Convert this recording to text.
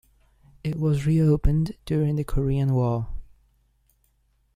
It was reopened during the Korean War.